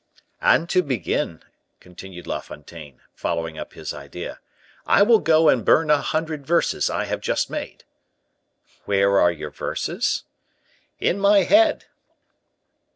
'" "And to begin," continued La Fontaine, following up his idea, "I will go and burn a hundred verses I have just made." "Where are your verses?" "In my head."